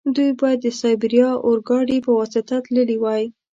دوی باید د سایبیریا اورګاډي په واسطه تللي وای.